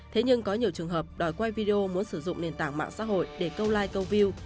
thế nhưng có nhiều trường hợp đòi quay video muốn sử dụng nền tảng mạng xã hội để câu like câu view